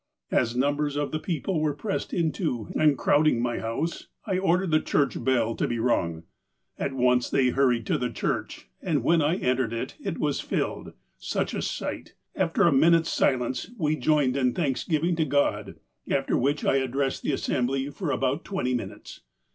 " As numbers of the people were pressing into, and crowd ing, my house, I ordered the church bell to be rung. At once they hurried to the church, and, when I entered, it was filled. Such a sight ! After a minute's silence, we joined in thanks giving to God, after which I addressed the assembly for about twenty minutes.